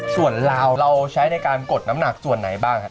ส่วนลาวเราใช้ในการกดน้ำหนักส่วนไหนบ้างครับ